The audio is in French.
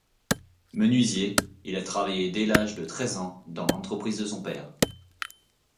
Menuisier, il a travaillé dès l'âge de treize ans dans l'entreprise de son père.